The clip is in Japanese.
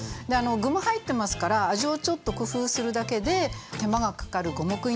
で具も入ってますから味をちょっと工夫するだけで手間がかかる五目